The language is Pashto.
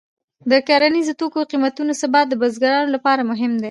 د کرنیزو توکو د قیمتونو ثبات د بزګرانو لپاره مهم دی.